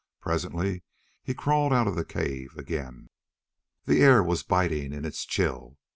Presently he crawled out of the cave again. The air was biting in its chill.